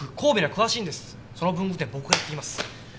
その文具店僕が行ってきます。